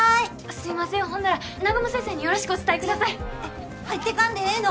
すいませんほんなら南雲先生によろしくお伝えください入ってかんでええの？